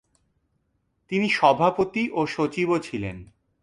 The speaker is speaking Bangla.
তিনি সভাপতি ও সচিবও ছিলেন।